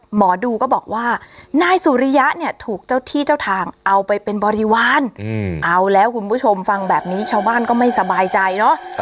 หมอดูก็บอกว่านายสุริยะเนี่ยถูกเจ้าที่เจ้าทางเอาไปเป็นบริวารเอาแล้วคุณผู้ชมฟังแบบนี้ชาวบ้านก็ไม่สบายใจเนอะ